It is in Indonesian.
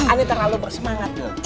aneh terlalu semangat tuh